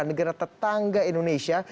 negara tetangga indonesia